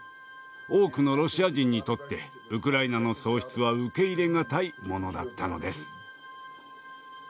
多くのロシア人にとってウクライナの喪失は受け入れ難いものだったのです。